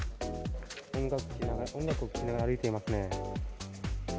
音楽を聴きながら歩いていますね。